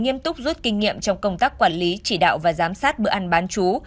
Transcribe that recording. nghiêm túc rút kinh nghiệm trong công tác quản lý chỉ đạo và giám sát bữa ăn bán chú